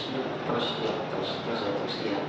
terus terus terus